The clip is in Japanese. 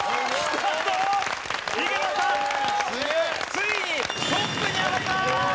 井桁さんついにトップに上がります。